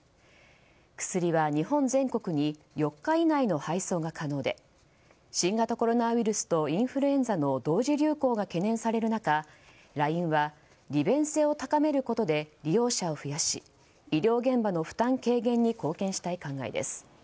薬は日本全国に４日以内の配送が可能で新型コロナウイルスとインフルエンザの同時流行が懸念される中ＬＩＮＥは利便性を高めることで利用者を増やし医療現場の負担軽減に貢献したい考えです。